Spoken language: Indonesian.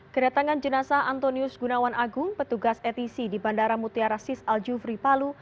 kedatangan jenazah antonius gunawan agung petugas etisi di bandara mutia rasis aljufri palu